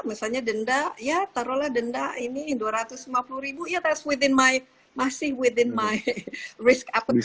misalnya denda ya taruhlah denda ini dua ratus lima puluh ribu ya that's within my masih within my risk appetite